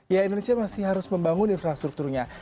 ya indonesia masih harus membangun infrastrukturnya